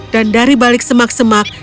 dan dari balik semak semak